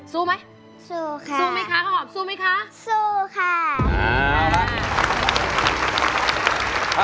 สู้ไหมสู้ค่ะสู้ไหมคะข้าวหอมสู้ไหมคะสู้ค่ะ